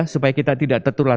supaya kita tidak tertular